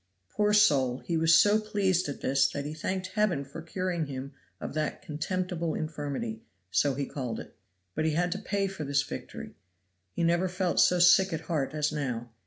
Poor soul, he was so pleased at this that he thanked Heaven for curing him of that contemptible infirmity, so he called it. But he had to pay for this victory. He never felt so sick at heart as now.